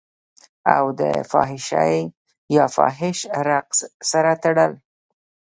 او دفحاشۍ يا فحش رقص سره تړل